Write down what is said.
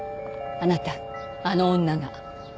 あなたあの女が。